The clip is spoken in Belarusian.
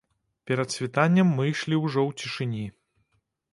Перад світаннем мы ішлі ўжо ў цішыні.